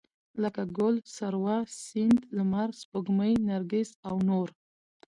لکه ګل، سروه، سيند، لمر، سپوږمۍ، نرګس او نور